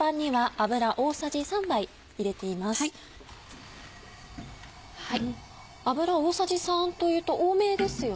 油大さじ３というと多めですよね。